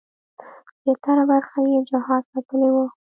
زیاتره برخه یې جهاد ساتلې وه.